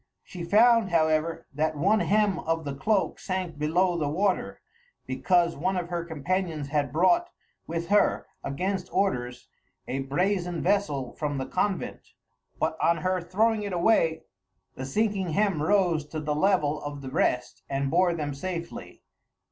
She found, however, that one hem of the cloak sank below the water, because one of her companions had brought with her, against orders, a brazen vessel from the convent; but on her throwing it away, the sinking hem rose to the level of the rest and bore them safely.